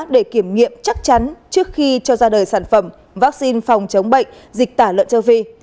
để kiểm nghiệm chắc chắn trước khi cho ra đời sản phẩm vaccine phòng chống bệnh dịch tả lợn châu phi